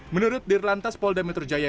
menurut dir lantas polda metro jaya